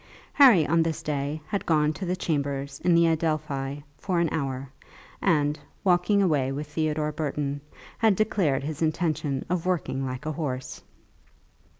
Harry on this day had gone to the chambers in the Adelphi for an hour, and walking away with Theodore Burton had declared his intention of working like a horse.